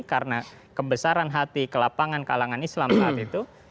karena kebesaran hati ke lapangan kalangan islam saat itu